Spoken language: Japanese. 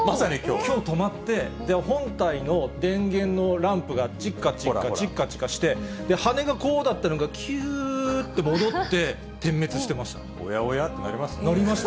きょう止まって、本体の電源のランプが、ちっかちっかちっかちっかして、羽根がこうだったのが、きゅーって戻って、点滅してました。